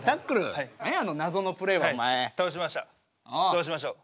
どうしましょう。